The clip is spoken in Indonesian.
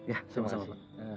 ya sama sama pak